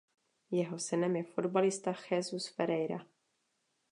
Jeho synem je fotbalista Jesús Ferreira.